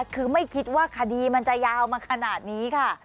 คือไม่คิดว่าคดีมันจะยาวมาขนาดนี้ค่ะ